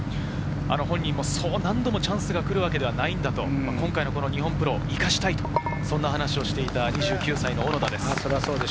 本人も何度もチャンスが来るわけではないと、今回の日本プロを生かしたいと言っていた２９歳、小野田です。